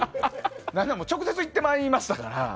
何なら直接いってまいりましたから。